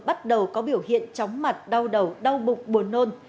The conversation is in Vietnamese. bắt đầu có biểu hiện chóng mặt đau đầu đau bụng buồn nôn